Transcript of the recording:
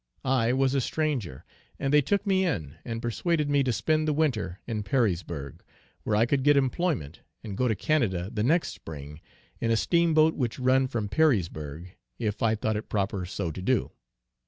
I was a stranger, and they took me in and persuaded me to spend the winter in Perrysburgh, where I could get employment and go to Canada the next spring, in a steamboat which run from Perrysburgh, if I thought it proper so to do.